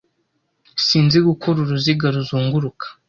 Sinzi gukora uruziga ruzunguruka.